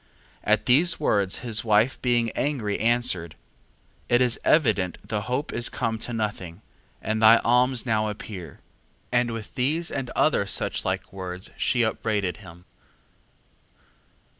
2:22. At these words his wife being angry answered: It is evident the hope is come to nothing, and thy alms now appear. 2:23. And with these and other, such like words she upbraided him.